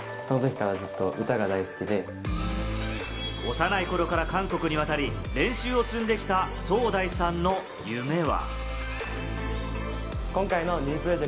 幼い頃から韓国に渡り、練習を積んできたソウダイさんの夢は。